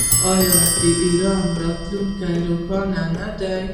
آیا د ایران راتلونکی روښانه نه دی؟